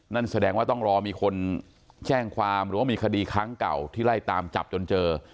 นั่นแสดงว่าต้องรอมีคนแจ้งความหรือว่ามีคดีครั้งเก่าที่ไล่ตามจับจนเจอ